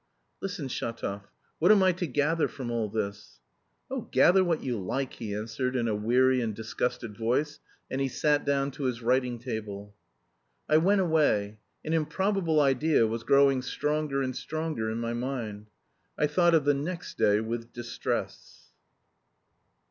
"Listen, Shatov, what am I to gather from all this?" "Oh, gather what you like!" he answered in a weary and disgusted voice, and he sat down to his writing table. I went away. An improbable idea was growing stronger and stronger in my mind. I thought of the next day with distress....